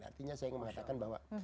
artinya saya ingin mengatakan bahwa